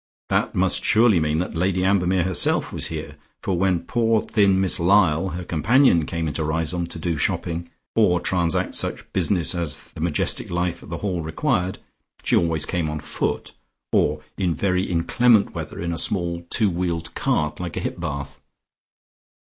That must surely mean that Lady Ambermere herself was here, for when poor thin Miss Lyall, her companion, came in to Riseholme to do shopping, or transact such business as the majestic life at The Hall required, she always came on foot, or in very inclement weather in a small two wheeled cart like a hip bath.